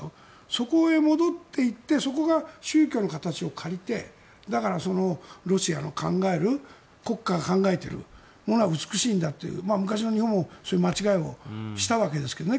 そこへ戻っていってそこが宗教の形を借りてだから、ロシアの考える国家が考えているものは美しいんだという昔の日本もそういう間違いをしたわけですけどね。